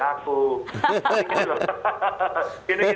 saya suka dikomporin tapi tidak nakut